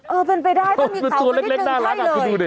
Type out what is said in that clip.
เออเป็นไปได้ต้องมีเก่ามันนิดนึงได้เลย